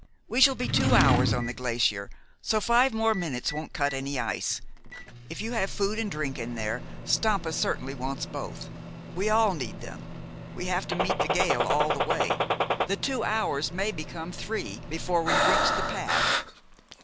"We shall be two hours on the glacier, so five more minutes won't cut any ice. If you have food and drink in there, Stampa certainly wants both. We all need them. We have to meet that gale all the way. The two hours may become three before we reach the path."